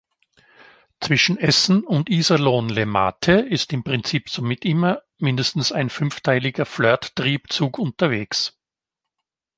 Zwischen Essen und Iserlohn-Letmathe ist im Prinzip somit immer mindestens ein fünfteiliger Flirt-Triebzug unterwegs.